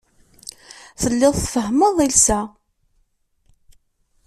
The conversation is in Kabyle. Telliḍ tfehhmeḍ iles-a.